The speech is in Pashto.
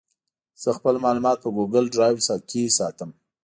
زه خپل معلومات په ګوګل ډرایو ساتم.